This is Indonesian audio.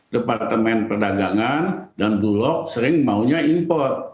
departemen perdagangan dan bulog sering maunya impor